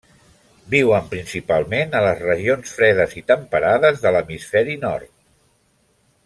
Viuen principalment a les regions fredes i temperades de l'hemisferi nord.